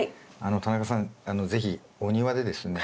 田中さん是非お庭でですね